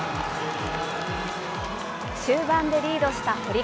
終盤でリードした堀川。